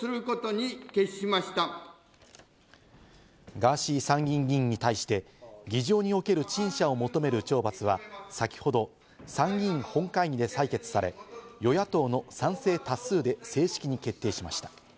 ガーシー参議院議員に対して、議場における陳謝を求める懲罰は先ほど参議院本会議で採決され、与野党の賛成多数で正式に決定しました。